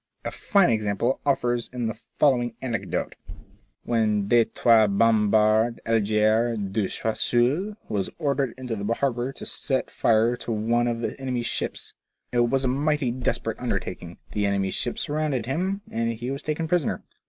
A fine example offers in the following anecdote. When D'Estrees bombarded 102 F0BECA8TLE TRAITS. Algiers, De Choiseul was ordered into the harbour to set fire to one of the enemy's ships. It was a mighty des perate undertaking ; the enemy's ships surrounded him, and he was taken prisoner.